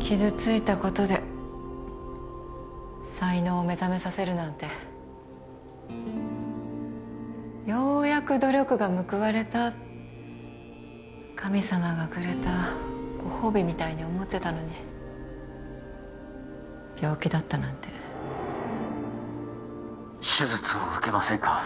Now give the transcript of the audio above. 傷ついたことで才能を目覚めさせるなんてようやく努力が報われた神様がくれたご褒美みたいに思ってたのに病気だったなんて手術を受けませんか？